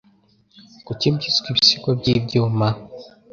Kuki byiswe Ibisigo by'ibyuma?